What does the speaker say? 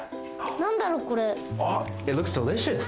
なんだろうこれ。